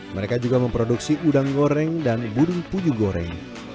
mereka juga memproduksi udang goreng dan burung puju goreng